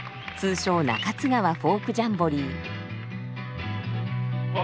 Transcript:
通称中津川フォークジャンボリー。